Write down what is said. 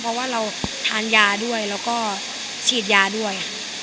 เพราะว่าเราทานยาด้วยแล้วก็ฉีดยาด้วย